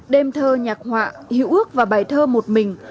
đêm thơ nhạc họa hữu ước và bài thơ một mình